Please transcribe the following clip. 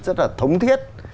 rất là thống thiết